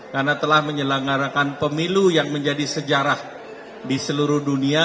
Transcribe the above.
karena telah menyelenggarakan pemilu yang menjadi sejarah di seluruh dunia